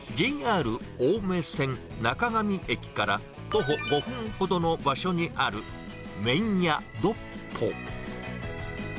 ＪＲ青梅線中神駅から徒歩５分ほどの場所にある、麺や独歩。